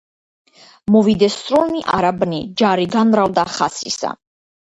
მოვიდეს სრულნი არაბნი, ჯარი განმრავლდა ხასისა